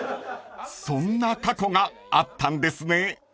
［そんな過去があったんですね］